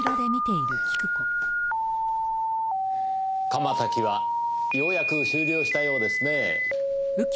窯焚きはようやく終了したようですねぇ。